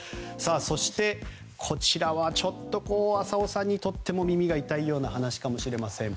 そして、こちらはちょっと浅尾さんにとっても耳が痛いような話かもしれません。